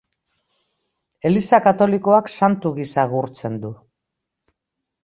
Eliza katolikoak santu gisa gurtzen du.